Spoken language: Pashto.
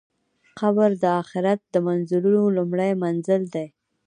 قبر د آخرت د منزلونو لومړی منزل دی.